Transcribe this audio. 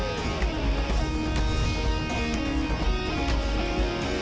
pertama kali anda bisa mengesek dengan bifurcasi atas atas indenya